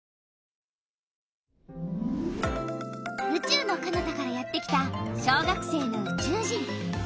うちゅうのかなたからやってきた小学生のうちゅう人！